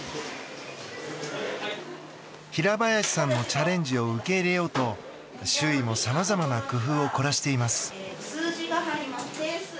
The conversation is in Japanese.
平林さんのチャレンジを受け入れようと周囲もさまざまな工夫を凝らしています。